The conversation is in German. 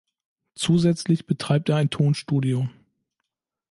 Zusätzlich betreibt er ein Tonstudio.